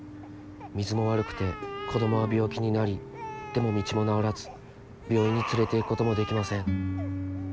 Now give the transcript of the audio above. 水も悪くて子供は病気になりでも道も直らず病院に連れていくこともできません」。